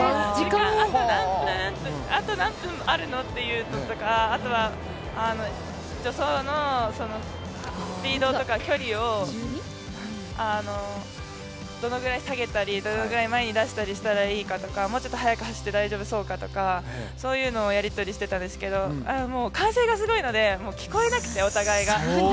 あと何分あるの？っていうのとかあとは助走のスピードとか距離をどのくらい下げたり、どのぐらい前に出したらしたらいいかとかもうちょっと速く走ってもいいかどうかとかそういうのをやり取りしてたんですけど、歓声がすごいので、聞こえなくてお互いが。